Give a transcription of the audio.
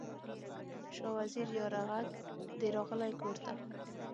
شاه وزیره یاره، ږغ دې راغلی کور ته